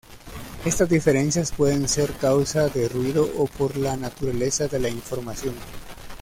Estas diferencias pueden ser causa de ruido o por la naturaleza de la información.